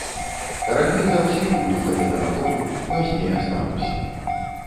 Раней за ўсіх выйду калі на работу, пазней астануся.